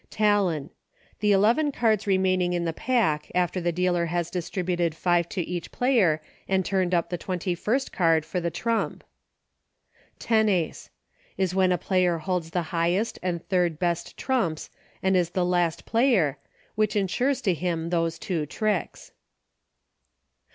Talon. The eleven cards remaining in the pack after the dealer has distributed five to each player, and turned up the twenty first card for the trump. Tenace. Is when a player holds the high est and third best trumps and is the last player, which insures to him those two tricks.